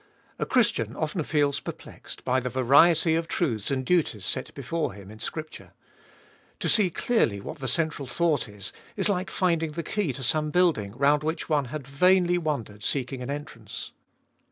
A Christian often feels perplexed by the variety of truths and duties set before him in Scripture ; to see clearly what the central thought is, is like finding the key to some building round which one had vainly wandered seeking an entrance.